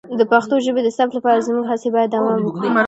د پښتو ژبې د ثبت لپاره زموږ هڅې باید دوام وکړي.